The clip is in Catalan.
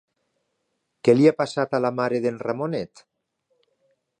Què li ha passat a la mare d'en Ramonet?